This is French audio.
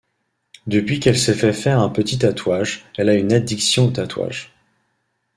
Depuis qu'elle s'est fait faire un petit tatouage, elle a une addiction aux tatouages.